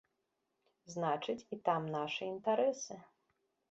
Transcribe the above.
Значыць, і там нашы інтарэсы.